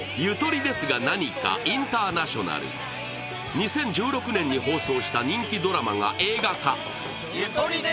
２０１６年に放送した人気ドラマが映画化。